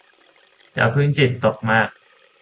อย่าเพิ่งจิตตกมาก